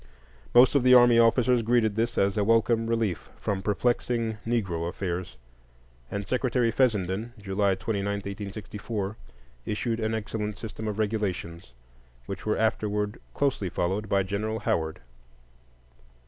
Most of the army officers greeted this as a welcome relief from perplexing "Negro affairs," and Secretary Fessenden, July 29, 1864, issued an excellent system of regulations, which were afterward closely followed by General Howard.